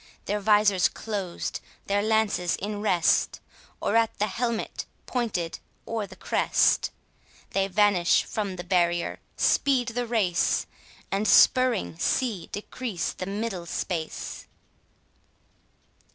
Their visors closed, their lances in the rest, Or at the helmet pointed or the crest, They vanish from the barrier, speed the race, And spurring see decrease the middle space.